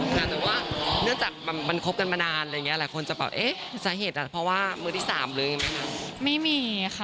แต่ว่าเนื่องจากมันคบกันมานานอะไรอย่างเงี้ยหลายคนจะบอกเอ๊ะสาเหตุอ่ะเพราะว่ามือที่๓หรืออย่างงี้มั้ยค่ะ